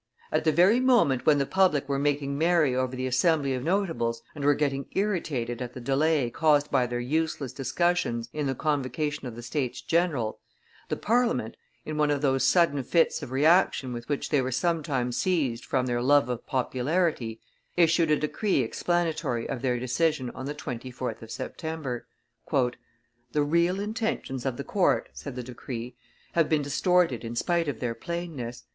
At the very moment when the public were making merry over the Assembly of notables, and were getting irritated at the delay caused by their useless discussions in the convocation of the States general, the Parliament, in one of those sudden fits of reaction with which they were sometimes seized from their love of popularity, issued a decree explanatory of their decision on the 24th of September. "The real intentions of the court," said the decree, "have been distorted in spite of their plainness.